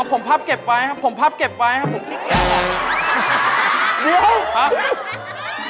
โอ้โหสภาพที่ไปทองห่อกระโหลิดไหม